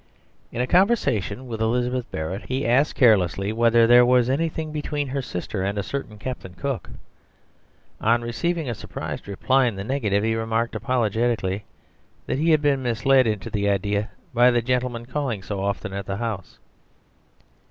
In a conversation with Elizabeth Barrett, he asked carelessly whether there was anything between her sister and a certain Captain Cooke. On receiving a surprised reply in the negative, he remarked apologetically that he had been misled into the idea by the gentleman calling so often at the house.